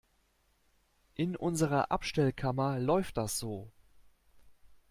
In unserer Abstellkammer läuft das so.